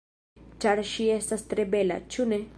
Ĉar ŝi estas tre bela, ĉu ne?